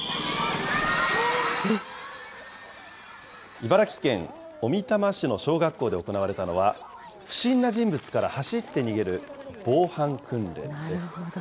茨城県小美玉市の小学校で行われたのは、不審な人物から走って逃げる防犯訓練です。